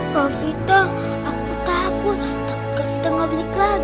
gavita aku takut takut nggak belik lagi